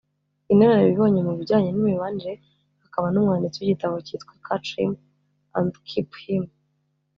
Inararibonye mu bijyanye n’imibanire akaba n’umwanditsi w’igitabo cyitwa ’Catch Him and Keep Him’